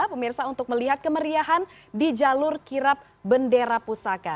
pemirsa untuk melihat kemeriahan di jalur kirap bendera pusaka